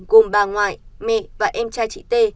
gồm bà ngoại mẹ và em trai chị t